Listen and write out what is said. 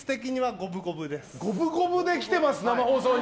五分五分で来てます、生放送に。